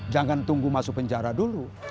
jangan tunggu masuk penjara dulu